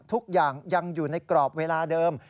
ทุกอย่างยังอยู่ในกรอบเวลาเดิม